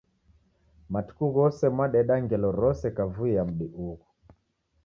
Matuku ghose mwadeda ngelo rose kavui ya mudi ughu.